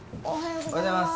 おはようございます。